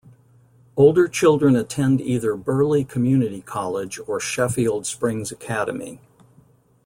Older children attend either Birley Community College or Sheffield Springs Academy.